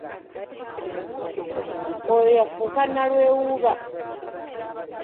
Oyo yafuuka nalwewuuba.